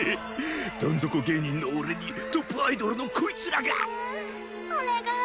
どん底芸人の俺にトップアイドルのこいつらがお願い